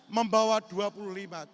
membawa dua puluh lima juta pasukan